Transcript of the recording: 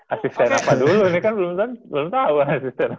asisten apa dulu ini kan belum tahu asisten apa